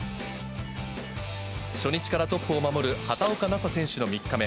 初日からトップを守る、畑岡奈紗選手の３日目。